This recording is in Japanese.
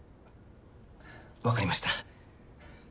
分かりました。